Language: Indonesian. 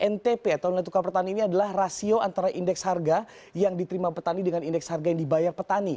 ntp atau nilai tukar petani ini adalah rasio antara indeks harga yang diterima petani dengan indeks harga yang dibayar petani